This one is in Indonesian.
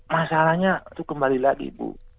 masalahnya itu kembali lagi bu